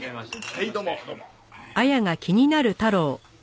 はいどうもどうも。